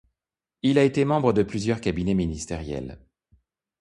Il a été membre de plusieurs cabinets ministériels.